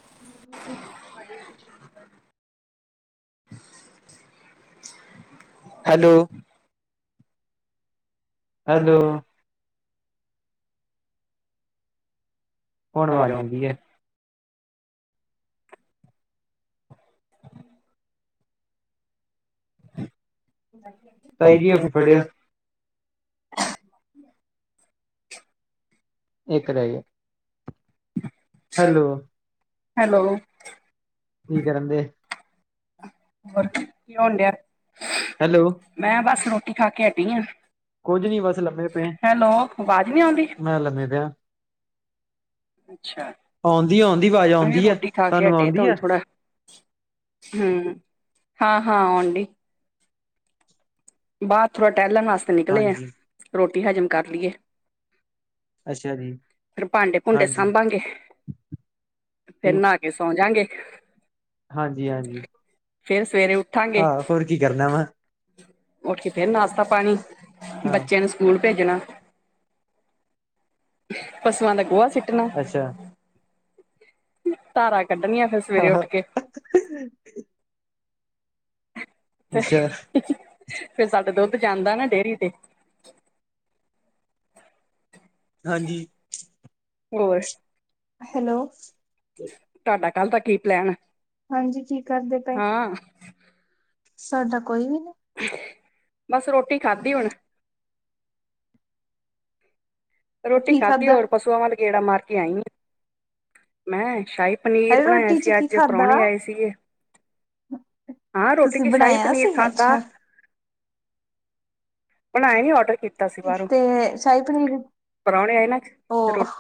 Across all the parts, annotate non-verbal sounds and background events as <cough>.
<unintelligible> Hello. Hello. ਹੁਣ ਹੁਣ ਆਵਾਜ਼ ਆਉਂਦੀ ਹੁੰਦੀ ਏ ਹੈ ਤਾਈ ਜੀ ਅੱਗੋਂ ਐ। ਫੜਿਆ ਇੱਕ ਰਹਿ ਹੈਲੋ ਹੈਲੋ। ਕੀ ਕਰੰਦੇ? ਹੋਰ, ਕੀ ਹੋਣ ਡਿਆ? ਹੈਲੋ। ਮੈਂ ਬਸ ਰੋਟੀ ਖਾਕੇ ਹਟੀ ਆਂ, ਕੁੱਝ ਨੀ ਬਸ ਲੰਮੇ ਪਏ ਹੈਲੋ ਅਵਾਜ਼ ਨੀ ਆਉਂਦੀ? ਮੈਂ ਲੰਮੇ ਪਿਆਂ। ਅੱਛਾ ਆਉਂਦੀ ਛ, ਆਉਂਦੀ ਆਵਾਜ਼ ਹਜੇ ਆਉਂਦੀ ਹੈ ਰੋਟੀ ਖਾਕੇ ਤੁਹਾਨੂੰ ਹਟੇ, ਤੋ ਆਉਂਦੀ ਹੁਣ ਹੈ ਥੋੜਾ ਹੂੰ, ਹਾਂ-ਹਾਂ, ਔਂਡੀ। ਬਾਰ ਥੋੜ੍ਹਾ ਟੈਲਣ ਵਾਸਤੇ ਨਿਕਲੇ ਆ, ਹਾਂਜੀ ਰੋਟੀ ਹਜ਼ਮ ਕਰ ਲੀਏ। ਅੱਛਾ ਜੀ ਫਿਰ ਭਾਂਡੇ-ਭੂੰਡੇ ਹਾਂਜੀ ਸਾਂਭਾਂਗੇ, ਫਿਰ ਨਹਾ ਕੇ, ਸੌਂ ਜਾਂਗੇ। ਹਾਂਜੀ-ਹਾਂਜੀ। ਫੇਰ ਸਵੇਰੇ ਉੱਠਾਂਗੇ। ਕੀ ਕਰਨਾ ਵਾ? ਉੱਠਕੇ ਫਿਰ ਨਾਸਤਾ ਪਾਣੀ, ਹਾਂ ਬੱਚਿਆਂ ਨੂੰ ਸ ਸਕੂਲ ਭੇਜਣਾ, ਪਸੂਆਂ ਦਾ ਗੋਹਾ ਸਿੱਟ ਕਿਹਨੂੰ, ਅੱਛਾ ਧਾਰਾਂ ਕੱਢਣੀਆਂ ਫਿਰ ਸਵੇਰੇ ਹਾਂ ਉੱਠਕੇ। ਅੱਛਾ <unintelligible> ਫਿਰ ਸਾਡਾ ਦੁੱਧ ਜਾਂਦਾ ਨਾ, ਡੇਰੀ ਤੇ। ਹਾਂਜੀ। ਹੋਰ? ਹੈਲੋ। ਤਾਡਾ ਕੱਲ੍ਹ ਦਾ ਕੀ ਪਲੈਨ ਆ? ਹਾਂਜੀ, ਕੀ ਕਰਦੇ ਪਏ? ਸਾਡਾ ਕੋਈ ਵੀ ਨੀ। ਬਸ, ਰੋਟੀ ਖਾਦੀ ਹੁਣ। ਰੋਟੀ ਕੀ ਖਾਦੀ, ਖਾਧਾ ਹੋਰ ਪਸੂਆਂ ਵੱਲ ਗੇੜਾ ਮਾਰਕੇ ਆਈ ਆਂ, ਮੈਂ ਸ਼ਾਹੀ ਪਨੀਰ ਅਰੇ ਬਣਾਇਆ ਰੋਟੀ ਚ ਸੀ ਕੀ ਅੱਜ, ਖਾਧਾ ਪ੍ਰਾਉਣੇ ਆਏ ਸੀਗੇ। ਹਾਂ, ਤੁਸੀਂ ਰੋਟੀ'ਚ ਸ਼ਾਹੀ ਬਣਾਇਆ ਪਨੀਰ ਸੀ ਖਾਦਾ। ਅੱਛਾ ਬੜਾਏ ਹੀ, ਔਡਰ ਕੀ ਤੇ, ਸ਼ਾਈ ਪਨੀਰ ਪਰੌਣੇ ਆਏ ਨਾ ਅੱਜ, ਉਹ ਰੋਟ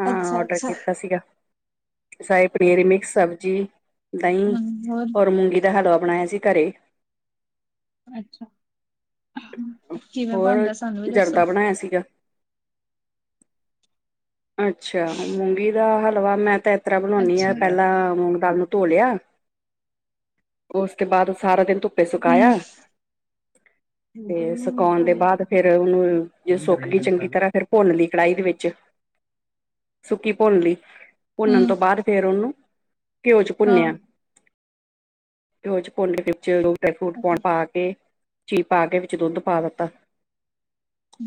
ਹਾਂ ਅੱਛਾ ਔਡਰ ਅੱਛਾ ਕੀਤਾ ਸੀਗਾ, ਸ਼ਾਈ ਪਨੀਰ, ਮਿਕਸ ਸਬਜ਼ੀ। ਦਹੀਂ, ਹੂੰ ਹੋਰ ਔਰ ਮੂੰਗੀ ਦਾ ਹਲਵਾ ਬਣਾਇਆ ਸੀ ਘਰੇ। ਅੱਛਾ ਕਿਵੇਂ ਹੋਰ, ਬਣਦਾ ਸਾਨੂੰ ਵੀ ਦੱਸੋ ਜਰਦਾ ਬਣਾਇਆ ਸੀਗਾ। ਅੱਛਾ, ਮੂੰਗੀ ਦਾ ਹਲਵਾ ਮੈਂ ਤਾਂ ਏਤਰ੍ਹਾਂ ਬਣਾਂਉਦੀ ਆ, ਅੱਛਾ ਹੂੰ ਪਹਿਲਾਂ ਮੂੰਗ ਦਾਲ ਨੂੰ ਧੋਲਿਆ ਉਸ ਤੇ ਬਾਦ ਸਾਰਾ ਦਿਨ ਧੁੱਪੇ ਸੁਕਾਇਆ। ਹੂੰ ਤੇ, ਸੁਕਾਉਨ ਦੇ ਹਾਂ ਬਾਦ ਫਿਰ ਉਹਨੂੰ, ਜੇ ਸੁੱਕਗੀ ਈ ਚੰਗੀ ਤਰ੍ਹਾਂ ਫਿਰ ਭੁੰਨਲੀ ਕੜਾਹੀ ਦੇ ਵਿੱਚ, ਸੁੱਕੀ ਭੁੰਨਲੀ। ਭੁੰਨਨ ਤੋਂ ਬਾਦ ਫੇਰ ਉਹਨੂੰ, ਘਿਓ'ਚ ਭੁੰਨਿਆ। ਘਿਓ'ਚ ਭੁੰਨਕੇ ਵਿੱਚ ਜੋ ਵੀ ਡਾਇਫਰੂਟ ਪਾਣਾ, ਅੱਛਾ ਪਾਕ ਤੇ, ਚੀ ਪਾਕੇ ਵਿੱਚ ਦੁੱਧ ਪਾ ਦਿੱਤਾ,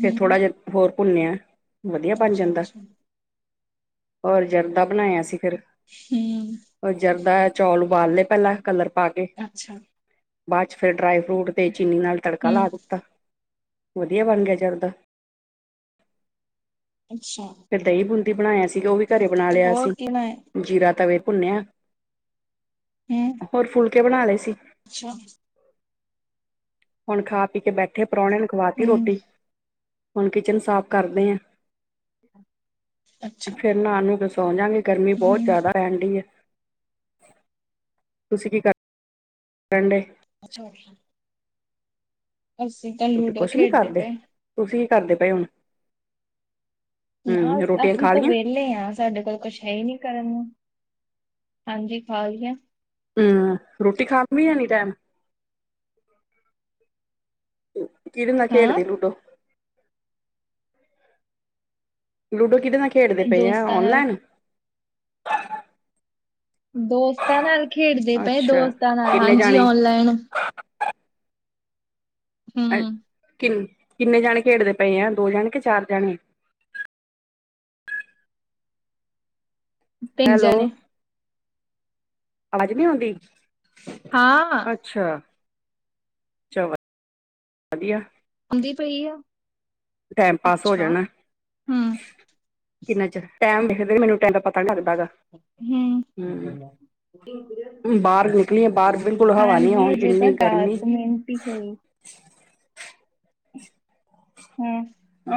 ਫੇਰ ਥੋੜਾ ਜਿਹਾ ਹੋਰ ਭੁੰਨਿਆ, ਵਧੀਆ ਬਣ ਅੱਛਾ ਜਾਂਦਾ। ਅੱਛਾ ਔਰ ਜਰਦਾ ਬਣਾਇਆ ਸੀ ਫਿਰ, ਹੂੰ ਔਰ ਜਰਦਾ ਚੌਲ ਉਬਾਲ ਲਏ ਪਹਿਲਾ ਕਲਰ ਪਾਕੇ, ਅੱਛਾ ਬਾਅਦ'ਚ ਫੇਰ ਡਰਾਈ ਫਰੂਟ ਤੇ ਚੀਨੀ ਨਾਲ ਤੜਕਾ ਹੂੰ ਲਾ ਦਿੱਤਾ ਆ ਵਧੀਆ ਬਣ ਗਿਆ ਜਰਦਾ ਆ ਅਛਾ ਆ ਤੇ ਦਹੀਂ ਬੂੰਦੀ ਬਣਾ ਆ ਸੀਗਾ ਉਹ ਵੀ ਘਰੇ ਬਣਾ ਲਿਆ ਹੋਰ ਸੀ ਕੀ ਬਣਾਇਆ ਜੀਰਾ ਤਵੇ ਭੁੰਨਿਆ, ਹੂੰ ਹੋਰ ਫੁਲਕੇ ਬਣਾ ਲਏ ਸੀ ਅੱਛਾ ਆ ਹੁਣ ਖਾ ਪੀ ਕੇ ਬੈਠੇਏ ਪਰੋਣਿਆ ਨੂੰ ਖਵਾ ਤੀ ਹੂੰ ਰੋਟੀ ਹੁਣ ਕਿਚਨ ਸਾਫ਼ ਕਰਦੇ ਐ। ਅੱਛਾ ਫਿਰ ਨਾ ਆ ਨੂੰ ਕੇ ਸੌ ਜਾਂਗੇ ਗਰਮੀ ਬਹੁਤ ਹੂੰ ਜ਼ਿਆਦਾ ਰਹਿਣ ਡੀ ਐ ਤੁਸੀਂ ਕੀ ਕਰਦੇ ਪੜ੍ਹ ਡੇ ਅੱਛਾ ਉਫਸ਼ਨ ਅਸੀਂ ਤਾਂ ਤੁਸੀਂ ਲੂਡੋ ਕੁਛ ਨੀ ਖੇਡਦੇ ਕਰਦੇ ਪਏ ਐ ਤੁਸੀਂ ਕੀ ਕਰਦੇ ਪਏ ਹੁਣ ਨਾ ਹਮ ਅ ਰੋਟੀਆਂ ਅਸੀਂ ਖਾ ਤਾਂ ਲਈਆਂ ਵਿਹਲੇ ਆ ਸਾਡੇ ਕੋਲ ਕੁਛ ਹੈ ਨੀ ਕਰਨ ਨੂੰ ਹਾਂਜੀ ਫਾਲੀਆਂ ਹੂੰ ਰੋਟੀ ਖਾ ਨੂੰ ਵੀ ਹਣੀ ਈ ਟਾਈਮ ਕਿੜੇ ਨਾਲ ਹਾਂ ਖੇਡਦੇ ਲੂਡੋ ਓ ਲੂਡੋ ਕਿਦੇ ਨਾਲ ਖੇਡਦੇ ਪਏ ਆ ਦੋਸਤਾਂ ਨਾਲ ਔਨਲਾਈਨ ਦੋਸਤਾਂ ਨਾਲ ਖੇਡਦੇ ਪਏ ਅੱਛਾ ਦੋਸਤਾਂ ਨਾਲ ਕਿੰਨੇ ਹਾਂਜੀ ਜਾਣੇ ਓਨਲਾਈਨ ਹੂੰ ਅੱਛਾ ਕਿਨ ਕਿੰਨੇ ਏ ਜਣੇ ਖੇਡਦੇ ਪਏ ਆ ਦੋ ਜਾਣੇ ਕੇ ਚਾਰ ਜਾਣੇਏ ਤਿੰਨ ਹੈਲੋ ਜਣੇ ਵਾਜ਼ ਨਹੀਂ ਆਉਂਣ ਡੀ ਹਾਂ ਵਾ ਅੱਛਾ ਚਾਅ ਵਧ ਵਧੀਆ ਆਉਂਦੀ ਪਈ ਆ ਟਾਈਮ ਪਾਸ ਹੋ ਅੱਛਾ ਜਾਣਾ ਹੂੰ ਕਿੰਨਾ ਚਿਰ ਟਾੲਈਮ ਦੇਖਦੇ ਮੈਨੂੰ ਟਾਮ ਦਾ ਪਤਾ ਪਤਾ ਨੀ ਲਗਦਾ ਹੈਗਾ ਹੂੰ ਹੁਣ ਬਾਹਰ ਨਿਕਲੀ ਆ ਬਾਹਰ ਬਿਲਕੁਲ ਹਵਾ ਨੀ ਹਾਂਜੀ ਆਉਣ ਹਜੇ ਤਾਂ ਕਿੰਨੀ ਗਰਮੀ ਦਸ ਮਿੰਟ ਹੀ ਹੋਈ ਈ ਹੂੰ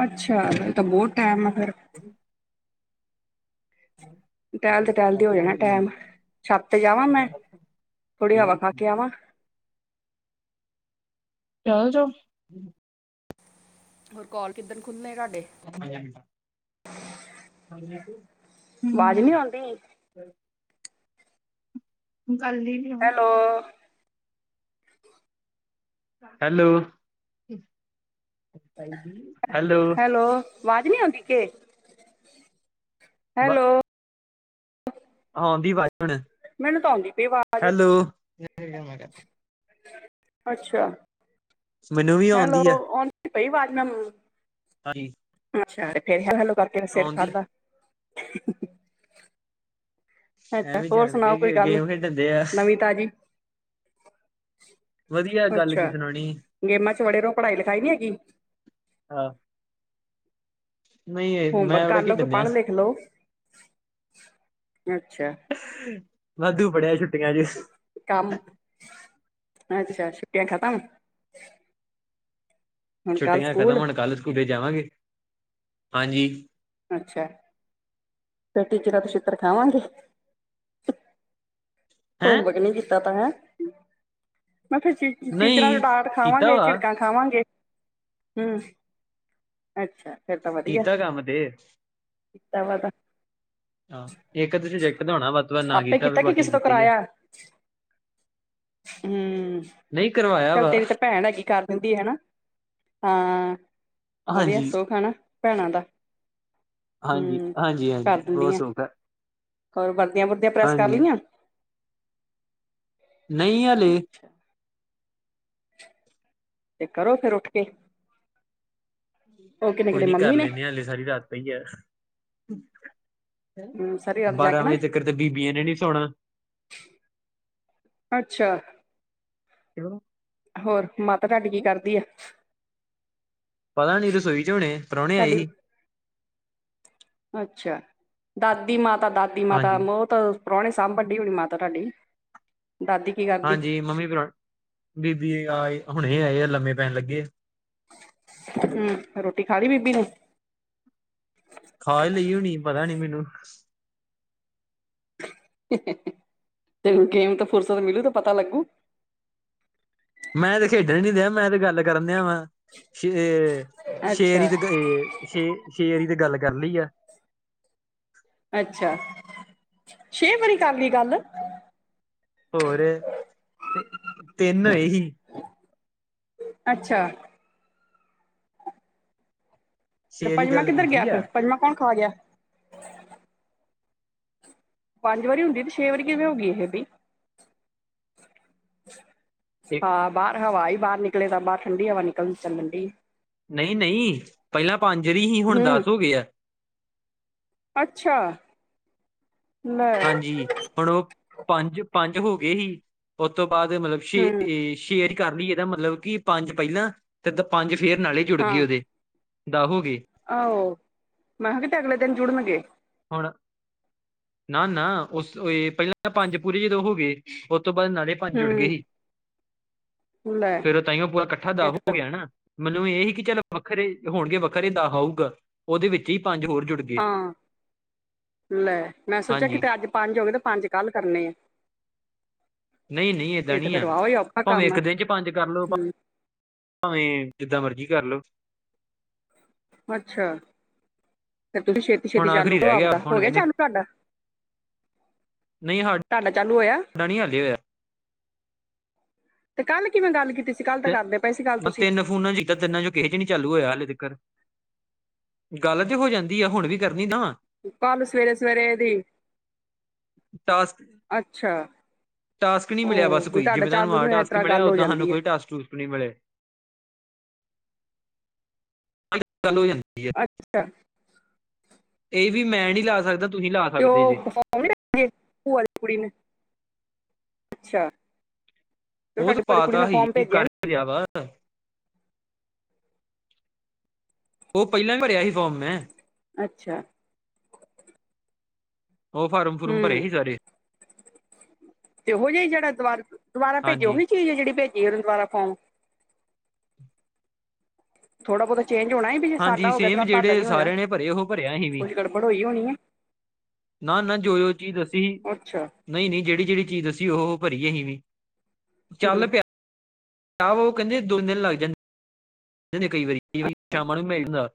ਅੱਛਾ ਫਿਰ ਤਾਂ ਬਹੁਤ ਟਾਈਮ ਐ ਫੇਿਰ ਹਾ ਜੀ ਹਮ। ਟਹਿਲਦੇ ਟਹਿਲਦੇ ਹੋ ਜਾਣਾ ਟਾਮ ਛੱਤ ਤੇ ਜਾਵਾਂ ਮੈਂ ਥੋੜ੍ਹੀ ਚਲ ਹਵਾ ਖਾ ਕੇ ਆਵਾਂ ਚੱਲ ਜੋ ਓ ਹੋਰ ਕੋਲ ਕਿੱਦਨ ਖੁੱਲ੍ਹਣੇ ਤਾਆ ਡੇ ਉ ਮਰੀਆ ਨਹੀ ਥਾ <unintelligible> ਵਾਜ਼ ਨੀ ਆਉਂਦੀ ਹੋਣੀ ਹਮ। ਕਰ ਲੀ ਈ ਹੈਲੋ ਓ ਹੈਲੋ ਓ ਹੈਲੋ ਓ ਹੈਲੋ ਵਾਜ਼ ਨੀ ਆਉਂਦੀ ਕੇ ਹੈਲੋਓ ਆਣਦੀ ਦੀ ਵਾਜ ਹੁਣ ਮੈਨੂੰ ਤਾਂ ਆਉਂਦੀ ਪਈ ਵਾਜ਼ ਆ ਹੈਲੋ ਅੱਛਾ ਆ ਮੈਨੂੰ ਵੀ ਹੈਲੋ ਆ ਆਉਂਦੀ ਪਈ ਵਾਜ ਉਹਾਨੂੰ <unintelligible> ਅੱਛਾ ਤੇ ਫੇਰ ਹੈਲੋ ਹੈਲੋ ਕਰਕੇ ਸਿਰ ਆਉਂਦੀ ਖਾਧਾ। ਅੱਛਾ ਐਵੇਂ ਹੋਰ ਜਾਣ ਸੁਣਾਓ ਕੋਈ ਕੇ ਗੱਲ ਗੇਮ ਖੇਡਣ ਦੇ ਆ ਨਵੀਂ ਤਾਜ਼ੀ। ਵਧੀਆ ਗੱਲ ਅੱਛਾ ਕੀ ਸੁਣਾਉਣੀ ਗੇਮਾਂ 'ਚ ਵੜੇ ਰੋ, ਪੜ੍ਹਾਈ ਲਿਖਾਈ ਨੀ ਹੈਗੀ। ਆ। ਹੋਮਵਰਕ ਮੈਂ ਬੜਾ ਕਰ ਲਓ, ਤੇ ਖੇਡਣ ਦਿਆ ਪੜ ਲਿਖ ਲਓ। ਅੱਛਾ। ਵਾਧੂ ਪੜਿਆ ਛੁੱਟੀਆਂ 'ਚ। ਕੰਮ- ਅੱਛਾ ਛੁੱਟੀਆਂ ਖਤਮ ਹੁਣ ਕੱਲ ਛੁੱਟੀਆਂ ਖਤਮ ਸਕੂਲ ਹੁਣ ਕਲ ਸਕੂਲੇ ਜਾਵਾਂਗੇ। ਹਾਂਜੀ ਅੱਛਾ ਫੇਰ ਟੀਚਰਾਂ ਤੋਂ ਛਿੱਤਰ ਖਾਵਾਂਗੇ। ਹੈਂ ਹੋਮਵਰਕ ਨੀ ਕੀਤਾ ਤਾਂ ਹੈਂ, ਮੈਂ ਫਿਰ ਟੀਚਰਾਂ ਕੋਲ ਨਹੀਂ ਡਾਂਟ ਕੀਤਾ ਖਾਵਾਂਗੇ, ਵਾ ਝਿੜਕਾਂ ਖਾਵਾਂਗੇ। ਹੂੰ ਅੱਛਾ ਫੇਰ ਤਾਂ ਵਧੀਆ। ਕੀਤਾ ਕੰਮ ਤੇ ਕੀਤਾ ਦਾ ਤਾ ਹਾਂ ਇੱਕ ਦੋ ਸਬਜੈਕਟ ਦਾ ਹੋਣਾ, ਵੱਧ ਤੋਂ ਵੱਧ ਨਾ ਆਪੇ ਕੀਤਾ ਵੀ ਕਿ ਬਾਕੀ ਕਿਸੇ ਤੋਂ ਕੀਤਾ ਈ ਆ। ਕਰਾਇਆ ਹੂੰ ਨਹੀਂ ਕਰਵਾਇਆ ਚੱਲ ਵਾ ਤੇਰੀ ਤਾਂ ਭੈਣ ਹੈਗੀ ਕਰ ਦਿੰਦੀ ਹੈਨਾ। ਹਾਂ ਵਧੀਆ ਹਾਂਜੀ ਸੁੱਖ ਆ ਣਾ ਭੈਣਾਂ ਦਾ। ਹੂੰ ਕਰ ਹਾਂਜੀ-ਹਾਂਜੀ-ਹਾਂਜੀ ਬੋਤ ਦਿੰਦੀਆਂ ਸੁੱਖ ਐ। ਹੋਰ ਵਰਦੀਆਂ ਵੁਰਦੀਆਂ ਪ੍ਰੈਸ ਕਰ ਲੀਆਂ। ਨਈ ਹਾਲੇ ਅੱਛਾ ਤੇ ਕਰੋ ਫੇਰ ਉੱਠ ਕੇ। ਉਹ ਕਿੰਨੇ ਕੋਈ ਕਿੰਨੇ ਨੀ ਕਰ ਮੰਮੀ ਨੇ ਲੈਂਣੇ ਆ ਹਾਲੇ ਸਾਰੀ ਰਾਤ ਪਈ ਆ। ਹੂੰ ਸਾਰੀ ਰਾਤ ਬਾਰਾਂ ਜਾਗਣਾ ਵਜੇ ਤੱਕਣ ਤੇ ਬੀਬੀਆਂ ਨੇ ਨੀ ਸੋਣਾ। ਅੱਛਾ। <unintelligible> ਹੋਰ ਮਾਤਾ ਤਾਡੀ ਕੀ ਕਰਦੀ ਆ। ਪਤਾ ਨੀ ਰਸੋਈ 'ਚ ਹੋਣੇ ਆ ਪ੍ਰੋਣੇ ਆਏ ਤੁਹਾਡੀ ਹੀ। ਅੱਛਾ ਦਾਦੀ ਮਾਤਾ-ਦਾਦੀ ਮਾਤਾ ਹਾਂਜੀ ਬੋਤ ਪ੍ਰੋਣੇ ਸਾਂਭਣਡੀ ਹੋਣੀ ਮਾਤਾ ਤਾਡੀ। ਦਾਦੀ ਕੀ ਕਰਦੀ ਹਾਂਜੀ ਮੰਮੀ ਪ੍ਰੋ ਬੀਬੀ ਆਏ ਹੁਣੇ ਆਏ ਆ ਲੰਮੇ ਪੈਣ ਲੱਗੇ ਆ। ਹੂੰ ਰੋਟੀ ਖਾ ਲੀ ਬੀਬੀ ਨੇ। ਖਾ ਈ ਲਈ ਹੋਣੀ ਪਤਾ ਨੀ ਮਿਨੂੰ। ਹੇਹੇਂ ਤੇਨੂੰ ਗੇਮ ਤੋਂ ਫੁਰਸਤ ਮਿਲੂ ਤੇ ਪਤਾ ਲੱਗੂ। ਮੈਂ ਤੇ ਖੇਡਣ ਨੀ ਦਿਆਂ ਮੈਂ ਤੇ ਗੱਲ ਕਰਨ ਦਿਆਂ ਵਾਂ, ਸ਼ੇ ਸ਼ੇਰ ਈ ਅੱਛਾ ਤੇ ਗ‌ਏ ਛੇ-ਛੇ ਅਰੀ ਤੇ ਗੱਲ ਕਰ ਲੀ ਆ। ਅੱਛਾ ਛੇ ਵਰੀ ਕਰ ਲੀ ਗੱਲ। ਹੋਰ ਤਿੰਨ ਹੋਏ ਹੀ। ਅੱਛਾ। ਤੇ ਸ਼ੇਰੀ ਪੰਜਮਾਂ ਗੱਲ ਕਿੱਧਰ ਗਿਆ ਕੀਤੀ ਫੇਰ, ਆ ਪੰਜਮਾਂ ਕੌਣ ਖਾ ਗਿਆ। ਪੰਜ ਵਾਰੀ ਹੁੰਦੀ ਤੇ ਛੇ ਵਾਰੀ ਕਿਵੇਂ ਹੋ ਗੀ ਇਹ ਬੀ ਇੱਕ ਹਾਂ ਬਾਰ ਹਵਾ ਆਈ ਬਾਰ ਨਿਕਲੇ ਤਾਂ ਬਾਰ ਠੰਢੀ ਹਵਾ ਨਿਕਲਦੀ ਚੱਲਣ ਡ‌ਈ। ਨ‌ਈ-ਨ‌ਈ ਪੈਲਾਂ ਪੰਜ ਦੀ ਹੀ, ਹੁਣ ਹੂੰ ਦਸ ਹੋ ਗੇ ਆ। ਅੱਛਾ। ਲੈ ਹਾਂਜੀ ਹੁਣ ਓ ਪੰਜ-ਪੰਜ ਹੋ ਗਏ ਹੀ, ਓਤੋ ਬਾਦ ਮਤਲਬ ਛੇ ਹੂੰ ਏ ਸ਼ੇਰ ਕਰ ਲਈ ਏਦਾ ਮਤਲਬ ਕੀ ਪੰਜ ਪੈਲਾਂ ਤੇ ਦ ਪੰਜ ਫੇਰ ਨਾਲੇ ਜੁੜ ਗੇ ਓਦੇ। ਦਹ ਹੋਗੇ। ਆਹ ਹੋ, ਮੈਂ ਕਿਹਾ ਕਿਤੇ ਅਗਲੇ ਤਨ ਜੁੜਨਗੇ ਹੁਣ ਨਾ-ਨਾ ਉਸ ਪਹਿਲਾਂ ਪੰਜ ਪੂਰੇ ਜਦੋਂ ਹੋ ਗਏ, ਉਸ ਤੋਂ ਬਾਅਦ ਨਾਲੇ ਪੰਜ ਜੁੜ ਗਏ ਸੀ ਹੂੰ ਲੈ ਫੇਰ ਉਹ ਤਾਂਹੀਓ ਪੂਰਾ ਇਕੱਠਾ ਇਹ ਦਾਬ ਤੇ ਹੋ ਫਿਰ ਗਿਆ ਨਾ ਮੈਨੂੰ ਇਹ ਹੀ ਕਿ ਚੱਲ ਵੱਖਰੇ ਹੋਣਗੇ, ਵੱਖਰੇ ਤਾਂ ਹੋਊਗਾ ਉਹਦੇ ਵਿੱਚ ਹੀ ਪੰਜ ਹੋਰ ਜੁੜ ਗਏ ਹਾਂ, ਲੈ, ਮੈਂ ਸੋਚਿਆ ਹਾਂਜੀ ਕਿਤੇ ਅੱਜ ਪੰਜ ਹੋ ਗਏ ਤੇ ਪੰਜ ਕੱਲ ਕਰਨੇ ਆ ਨਹੀਂ-ਨਹੀਂ ਏਦਾਂ ਇਹ ਤੇ ਨੀ ਐ, ਫਿਰ ਵਾਹ ਹੀ ਔਖਾ ਭਾਵੇਂ ਕੰਮ ਇੱਕ ਹੈ ਦਿਨ ਚ' ਪੰਜ ਕਰ ਲਓ ਹੂੰ ਭਾਵੇਂ ਜਿੱਦਾਂ ਮਰਜੀ ਕਰ ਲਓ ਅੱਛਾ ਫੇਰ ਤੁਸੀਂ ਛੇਤੀ ਛੇਤੀ ਹੁਣ ਚਾਲੂ ਆਖਰੀ ਕਰੋ ਰਹਿ ਆਪਦਾ, ਹੋ ਹੁਣ ਗਿਆ ਵੇਨੇ ਚਾਲੂ ਤੁਹਾਡਾ ਨਹੀਂ ਸਾਡ ਤੁਹਾਡਾ ਚਾਲੂ ਹੋਇਆ ਸਾਡਾ ਨਹੀਂ ਹਾਲੇ ਹੋਇਆ ਤੇ' ਕੱਲ ਕਿਵੇਂ ਗੱਲ ਕੀਤੀ ਸੀ, ਕੱਲ ਤਾਂ ਕਰਦੇ ਪਏ ਸੀ ਕੱਲ ਤੁਸੀਂ ਉਨ੍ਹਾਂ ਚ' ਤਿੰਨਾਂ ਚੋ, ਏਹ ਵੀ ਨੀ ਚਾਲੂ ਹੋਇਆ ਹਾਲੇ ਤੀਕਣ ਗੱਲ ਤੇ ਹੋ ਜਾਂਦੀ ਆ ਹੁਣ ਵੀ ਕਰਨੀ ਨਾ ਕੰਮ ਸਵੇਰੇ-ਸਵੇਰੇ ਇਹ ਦੀ, ਟਾਸਕ ਅੱਛਾ ਟਾਸਕ ਨਹੀਂ ਮਿਲੇਆ ਉਹ ਬਸ ਵੀ ਕੋਈ, ਤੁਹਾਡਾ ਜਿਵੇਂ ਤੁਹਾਨੂੰ ਚਾਲੂ ਆਹ ਨੂੰ ਇਸ ਟਾਸਕ ਤਰ੍ਹਾਂ ਮਿਲਿਆ ਗੱਲ ਹੋ ਉਓਦਾਂ ਸਾਨੂੰ ਜਾਂਦੀ ਹੈ ਕੋਈ ਟਾਸਕ ਟੁਸਕ ਨਹੀਂ ਮਿਲੇ ਗੱਲ ਚਾਲੂ ਹੋ ਜਾਂਦੀ ਐ, ਅੱਛਾ ਇਹ ਵੀ ਮੈਂ ਨਹੀਂ ਲਾ ਸਕਦਾ ਤੁਸੀਂ ਲਾ 'ਤੇ ਸਕਦੇ ਜੇ ਉਹ ਹੁਣ ਵੀ ਰੱਖੀ ਐ, ਭੂਆ ਦੀ ਕੁੜੀ ਨੇ ਅੱਛਾ ਜੌ ਉਹ ਤਾਂ ਤੁਹਾਡੀ ਬੜੀ ਕੁੜੀ ਨੇ ਪਾਤਾ ਹੀ ਫੋਰਮ ਭੇਜਿਆ ਨਾ <unintelligible> ਉਹ ਪਹਿਲਾਂ ਵੀ ਭਰੇਆ ਸੀ ਫੋਰਮ ਮੈਂ ਅੱਛਾ ਉਹ ਫਾਰਮ ਫੁਰਮ ਭਰੇ ਹੂੰ ਗੀ ਸਾਰੇ। ਤੇ ਉਹ ਜਿ ਜਿਹੜੇ ਦੁਬਾਰ ਦੁਬਾਰਾ ਭੇਜੇ ਹਾਂਜੀ ਉਹੀ ਚੀਜ਼ ਹੈ ਜਿੜੀ ਭੇਜੀ ਦੁਬਾਰਾ ਫੋਰਮ। ਥੋੜਾ ਬਹੁਤਾ ਚੇਂਜ ਹੋਣਾ ਬੀ ਜੇ ਹਾਂਜੀ ਸਾਡਾ ਹੋ ਗਿਆ, ਸੇਮ ਸਿਰਫ ਤੁਹਾਡਾ ਜਿਹੜੇ ਨੀ ਹੋਇਆ ਸਾਰਿਆਂ ਨੇ ਭਰੇ ਉਹ ਭਰਿਆ ਅਸੀਂ ਵੀ ਕੁਛ ਗੜਬੜ ਹੋਈ ਹੋਣੀ ਹੈ। ਨਾ ਨਾ ਜੋ ਜੋ ਚੀਜ਼ ਦੱਸੀ। ਅੱਛਾ ਨਹੀਂ-ਨਹੀਂ ਜਿਹੜੀ-ਜਿਹੜੀ ਚੀਜ਼ ਦੱਸੀ ਉਹ ਭਰੀ ਅਸੀ ਵੀ, ਚੱਲ ਹੂੰ ਪਿਆ। ਤਾਂ ਵ ਉਹ ਕਹਿੰਦੇ ਦੋ ਦਿਨ ਲੱਗ ਜਾਂਦੇ, ਕਈ ਵਾਰੀ ਸ਼ਾਮਾਂ ਨੂੰ ਮਿਲ ਜਾਂਦਾ।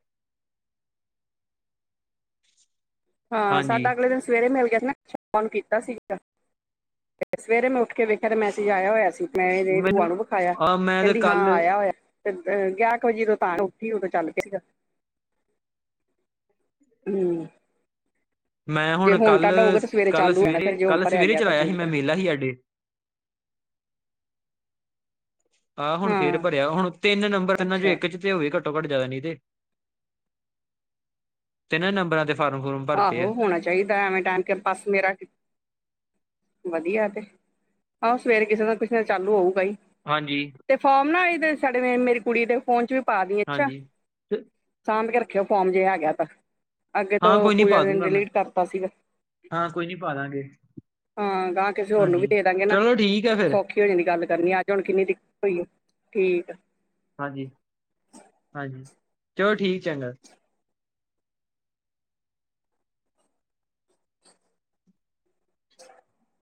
ਹਾਂ ਸਾਡਾ ਹਾਂਜੀ ਅਗਲੇ ਦਿਨ ਸਵੇਰੇ ਮਿਲ ਗਿਆ ਸੀ ਨਾ। ਫੋਨ ਕੀਤਾ ਸੀਗਾ ਤੇ ਸਵੇਰੇ ਮੈਂ ਉੱਠ ਕੇ ਵੇਖਿਆ ਤੇ ਮੈਸੇਜ ਆਇਆ ਹੋਇਆ ਸੀ। ਮੈਂ ਇਹਦੀ ਮੈਨੂੰ ਭੂਆ ਨੂੰ ਵਿਖਾਇਆ, ਆਹ ਮੈਂ ਤੇ ਕਹਿੰਦੀ ਹਾਂ ਕੱਲ ਆਇਆ ਹੋਇਆ। ਤੇ ਗਿਆਰਾਂ ਕੁ ਵਜੇ ਜਦੋਂ ਤ ਉੱਠੀ, ਉਦੋਂ ਚੱਲ ਪਿਆ ਸੀ ਗਾ। ਹੂ। ਮੈਂ ਹੁਣ ਕੱਲ, ਹੋਊਗਾ ਤਾਂ ਸਵੇਰੇ ਕੱਲ ਚਾਲੂ ਹੋ ਜਾਣਾ ਸਵੇਰੇ ਫਿਰ ਜੇ ਹੁਣ ਕੱਲ੍ਹ ਭਰਿਆ ਸਵੇਰੇ ਗਿਆ ਤਾਂ ਚਲਾਇਆ ਸੀ ਚੰਗੀ ਮੈਂ ਤਰ੍ਹਾਂ ਮੇਲਾ ਸੀ ਸਾਡੇ। ਆਹ ਹੁਣ ਫੇਰ ਹਾਂ ਭਰਿਆ, ਹੁਣ ਤਿੰਨ ਨੰਬਰ ਤਿੰਨਾ ਜੋ ਅੱਛਾ ਇੱਕ ਚ ਇਕ ਹੋ ਘੱਟੋ ਘੱਟ ਜਿਆਦਾ ਨੀ ਤੇ, ਤਿੰਨਾਂ ਨੰਬਰਾਂ ਤੇ ਫਾਰਮ ਫਾਰਮ ਆਹੋ ਹੋਣਾ ਚਾਹੀਦਾ ਐਵੇਂ ਟਾਈਮ ਬਸ ਮੇਰਾ। ਵਧੀਆ ਤੇ, ਆਹੋ ਸਵੇਰੇ ਕਿਸੇ ਦਾ ਕੁਛ ਚਾਲੂ ਹੋਊਗਾ ਹੀ। ਹਾਂਜੀ। ਤੇ ਫੋਰਮ ਨਾ ਤੇ ਸਾਡੇ, ਮੇਰੀ ਕੁੜੀ ਦੇ ਫੋਨ ਚ ਵੀ ਪਾ ਦੀ ਅੱਛਾ। ਹਾਂਜੀ ਤੇ- ਸਾਂਭ ਕੇ ਰੱਖਿਓ ਫੋਰਮ ਜੇ ਹੈਗਾ ਤਾਂ, ਅੱਗੇ। ਏ ਹਾਂ ਤੋਂ ਕੋਈ ਨੀ ਪੂਜਾ ਪਾ ਨੇ ਦੂੰਗਾ ਮੈਂ ਡਿਲੀਟ ਕਰਤਾ ਸੀਗਾ। ਹਾਂ ਕੋਈ ਨੀ ਪਾ ਦਾਂਗੇ ਹਾਂ ਗਾਂਹ ਕਿਸੇ ਹੋਰ ਨੂੰ ਵੀ ਹਾਂਜੀ ਦੇ ਦਾਂਗੇ ਨਾ, ਚਲੋ ਠੀਕ ਹੈ ਫਿਰ ਸੌਖੀ। ਹੋ ਦੀ ਗੱਲ ਕਰਨੀ ਆਂ, ਅੱਜ ਹੁਣ ਕਿੰਨੀ ਦਿੱਕਤ ਹੋਈ ਹੈ ਠੀਕ ਆ। ਹਾਂਜੀ-ਹਾਂਜੀ ਚਲੋ ਠੀਕ ਚੰਗਾ। <inaudible>